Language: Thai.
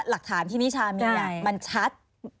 หลักฐานที่นิชามีมันชัด